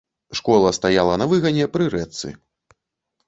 Школа стаяла на выгане, пры рэчцы.